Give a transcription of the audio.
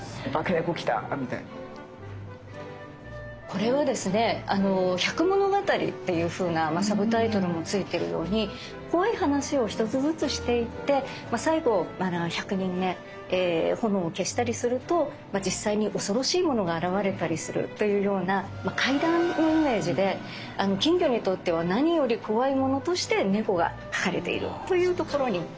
これはですね「百物語」っていうふうなサブタイトルもついてるように怖い話を１つずつしていって最後１００人目炎を消したりすると実際に恐ろしいものが現れたりするというような怪談のイメージで金魚にとっては何より怖いものとして猫が描かれているというところになるわけですね。